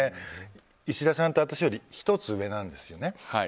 いしださんは私より１つ上なんですよ。